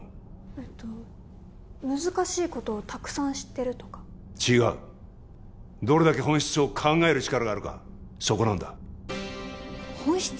えっと難しいことをたくさん知ってるとか違うどれだけ本質を考える力があるかそこなんだ本質？